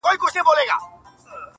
• ستا په غوښو دي بلا توره مړه سي..